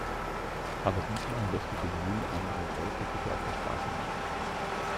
Aber diesmal lässt du den Müll anderer Leute bitte auf der Straße liegen.